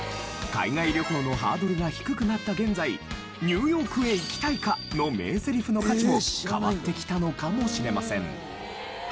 海外旅行のハードルが低くなった現在「ニューヨークへ行きたいか！？」の名ゼリフの価値も変わってきたのかもしれません。